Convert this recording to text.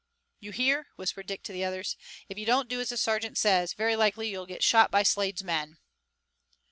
"You hear," whispered Dick to the others. "If you don't do as the sergeant says, very likely you'll get shot by Slade's men."